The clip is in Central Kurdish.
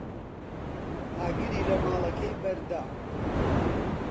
ئاگری لە ماڵەکەی بەردا.